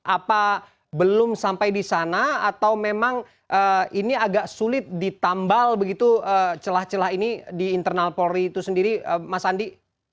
apa belum sampai di sana atau memang ini agak sulit ditambal begitu celah celah ini di internal polri itu sendiri mas andi